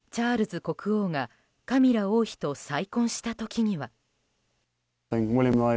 同じ年、父チャールズ国王がカミラ王妃と再婚した時には。